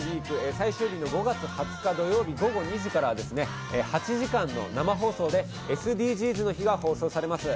最終日の５月２０日土曜日午後２時から８時間の生放送でＳＤＧｓの日が放送されます。